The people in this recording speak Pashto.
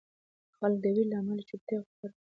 خلکو د وېرې له امله چوپتیا غوره کړه.